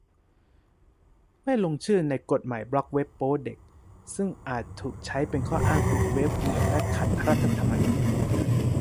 ไม่ลงชื่อในกฎหมายบล็อคเว็บโป๊เด็ก ซึ่งอาจถูกใช้เป็นข้ออ้างปิดเว็บอื่นและขัดรัฐธรรมนูญ